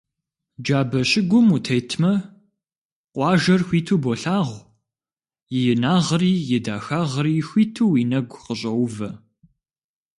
Джабэ щыгум утетмэ, къуажэр хуиту болъагъу, и инагъри и дахагъри хуиту уи нэгу къыщӀоувэ.